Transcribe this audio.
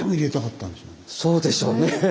そうでしょうね。